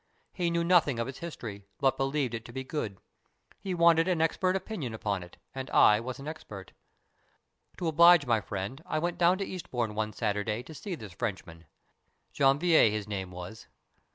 He knew nothing of its history, but believed it to be good. He wanted an expert opinion upon it, and I was an expert. To oblige my friend I went down to Eastbourne one Saturday to see this Frenchman Janvier his name was.